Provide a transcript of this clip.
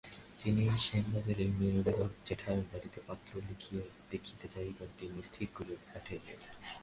তিনি শ্যামবাজারে মেয়ের অভিভাবক জেঠার বাড়িতে পত্র লিখিয়া দেখিতে যাইবার দিন স্থির করিয়া পাঠাইলেন।